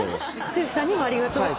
剛さんにもありがとうって思う？